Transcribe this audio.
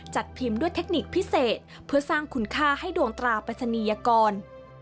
จัดพิมพ์ด้วยเทคนิคพิเศษเพื่อสร้างคุณค่าให้ดวงตราปริศนียกร